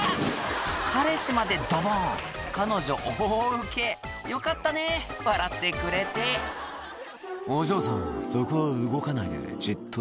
彼氏までドボン彼女大ウケよかったね笑ってくれて「お嬢さんそこを動かないでじっとしてて」